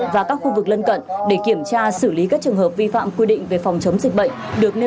và các khu vực lân cận để kiểm tra xử lý các trường hợp vi phạm quy định về phòng chống dịch bệnh